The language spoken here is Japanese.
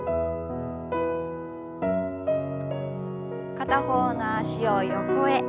片方の脚を横へ。